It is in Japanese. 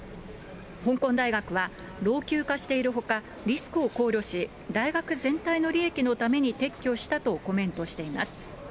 香港大学は、老朽化しているほか、リスクを考慮し、大学全体の利益のために撤去したとコメントしています。